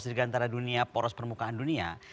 dirgantara dunia poros permukaan dunia